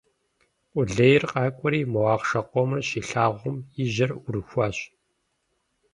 Къулейр къакӀуэри мо ахъшэ къомыр щилъагъум и жьэр Ӏурыхуащ.